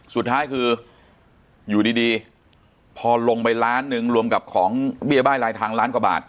สุดท้ายคืออยู่ดีพอลงไปล้านหนึ่งรวมกับของเบี้ยบ้ายลายทางล้านกว่าบาท